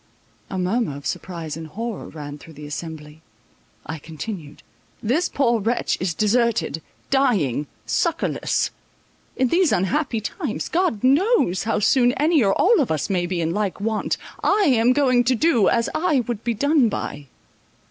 A murmur of surprise and horror ran through the assembly. I continued:—"This poor wretch is deserted, dying, succourless; in these unhappy times, God knows how soon any or all of us may be in like want. I am going to do, as I would be done by."